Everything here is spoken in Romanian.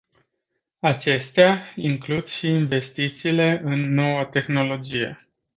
Acestea includ și investițiile în noua tehnologie.